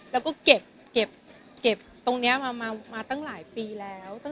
แล้วก็เก็บตรงนี้มาตั้งหลายปีแล้ว